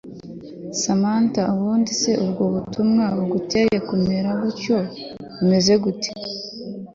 Samantha ubundi se ubwo butumwa buguteye kumerucyo bumeze ute